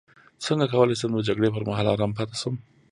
څنګه کولی شم د جګړې پر مهال ارام پاتې شم